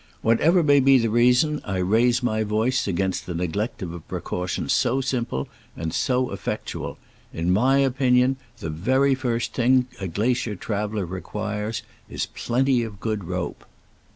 Whatever may be the reason, I raise my voice against the neglect of a precaution so simple and so effectual. In my opinion, the very first thing a glacier traveler requires is plenty of good rope.